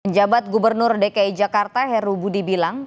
jabat gubernur dki jakarta heru budi bilang